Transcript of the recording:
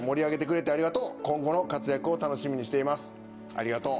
ありがとう。